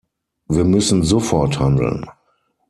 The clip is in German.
Wir müssen sofort handeln.